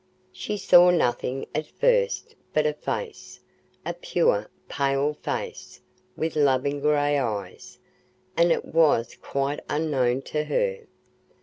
She saw nothing at first but a face—a pure, pale face, with loving grey eyes, and it was quite unknown to her.